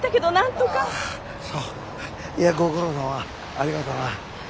いやご苦労さまありがとな。